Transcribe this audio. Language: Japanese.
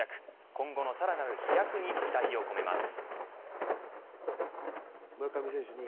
今後のさらなる飛躍に期待を込めます。